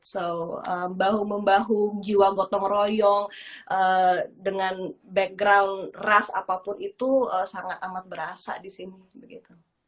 so bahu membahu jiwa gotong royong dengan background ras apapun itu sangat amat berasa di sini begitu